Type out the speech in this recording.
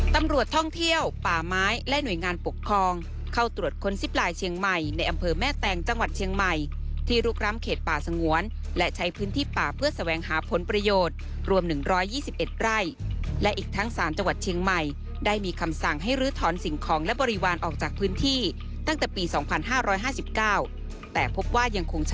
ตำรวจท่องเที่ยวป่าไม้และหน่วยงานปกครองเข้าตรวจค้นซิปไลน์เชียงใหม่ในอำเภอแม่แตงจังหวัดเชียงใหม่ที่ลุกร้ำเขตป่าสงวนและใช้พื้นที่ป่าเพื่อแสวงหาผลประโยชน์รวม๑๒๑ไร่และอีกทั้งศาลจังหวัดเชียงใหม่ได้มีคำสั่งให้ลื้อถอนสิ่งของและบริวารออกจากพื้นที่ตั้งแต่ปี๒๕๕๙แต่พบว่ายังคงช